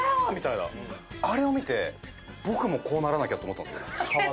あれを見て僕もこうならなきゃと思ったんすよ。